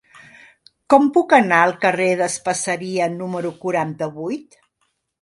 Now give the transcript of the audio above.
Com puc anar al carrer d'Espaseria número quaranta-vuit?